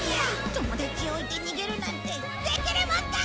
友達を置いて逃げるなんてできるもんか！